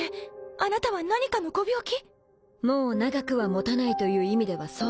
あなたは何かのご病気もう長くは持たないという意味では修Δ箸盡世┐